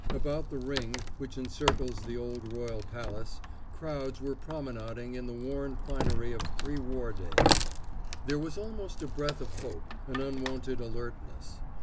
About the Ring, which encirles the old royal palace, crowds were promenading in the worn finery of pre war days. There was almost a breath of hope—an unwonted alertness.